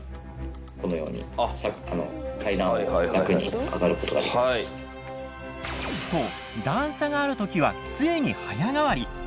このようにそう段差がある時はつえに早変わり。